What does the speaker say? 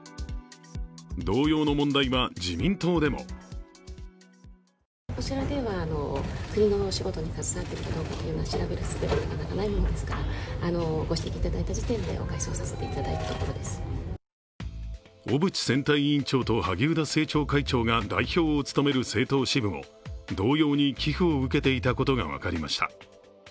同様の問題は自民党でも小渕選対委員長と萩生田政調会長が代表を務める政党支部も同様に寄付を受けていたことが分かりました。